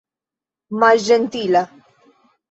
malĝentila